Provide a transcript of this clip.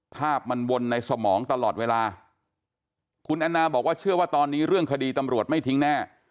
ภาพมันวนในสมองตลอดเวลาคุณแอนนาบอกว่าเชื่อว่าตอนนี้เรื่องคดีตำรวจไม่ทิ้งแน่